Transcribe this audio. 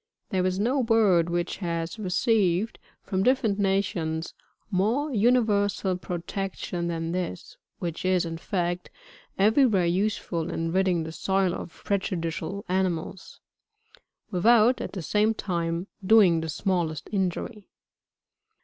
There is no bird which has received, from different nations, more universal pro tection than this, which is, in fact, every where useful in ridding the soil of prejudicial animals, without, at the same time, doing the smallest injury.